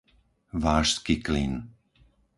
Vážsky Klin